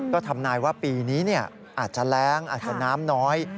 ก็ทำนายว่าปีนี้อาจจะแรงอาจจะน้ำน้อย